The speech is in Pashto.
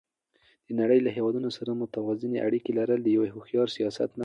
د نړۍ له هېوادونو سره متوازنې اړیکې لرل د یو هوښیار سیاست نښه ده.